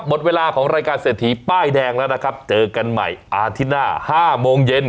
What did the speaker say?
หมดเวลาของรายการเศรษฐีป้ายแดงแล้วนะครับเจอกันใหม่อาทิตย์หน้า๕โมงเย็น